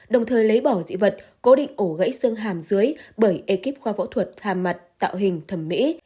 đồng thời lấy bỏ dị vật cố định ổ gãy xương hàm dưới bởi ekip khoa phẫu thuật thà mặt tạo hình thẩm mỹ